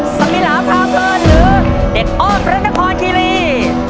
สมิลาพาเพลินหรือเด็กอ้อนพระนครคิรี